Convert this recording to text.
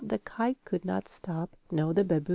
the kite could not stop, nor the babboon either.